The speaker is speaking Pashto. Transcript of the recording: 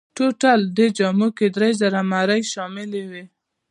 ټولټال دې جامو کې درې زره مرۍ شاملې وې.